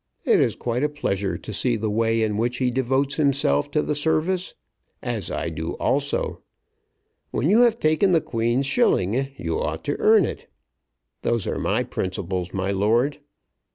It is quite a pleasure to see the way in which he devotes himself to the service, as I do also. When you have taken the Queen's shilling you ought to earn it. Those are my principles, my lord.